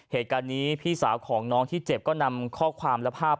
เหตุการณ์นี้พี่สาวของน้องที่เจ็บก็นำข้อความและภาพ